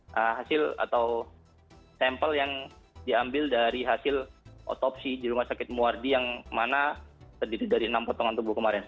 mengambil sampel dari hasil otopsi di rumah sakit muwardi yang mana terdiri dari enam potongan tubuh kemarin